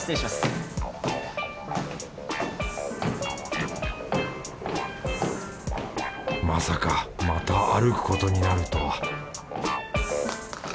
まさかまた歩くことになるとは。